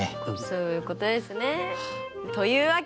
そういうことですね。というわけでバイバイ！